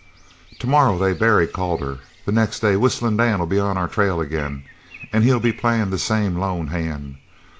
"Tomorrow they bury Calder. The next day Whistlin' Dan'll be on our trail again an' he'll be playin' the same lone hand.